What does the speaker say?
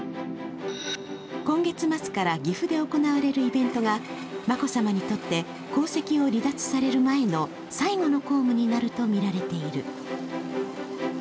今月末から岐阜で行われるイベントが、眞子さまにとって皇籍を離脱される前の最後の公務になるとみられている。